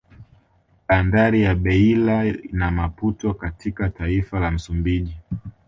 Bandari ya Beila na Maputo katka taifa la Msumbiji